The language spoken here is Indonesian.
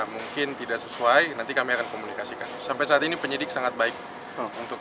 mungkin tidak sesuai nanti kami akan komunikasikan sampai saat ini penyidik sangat baik untuk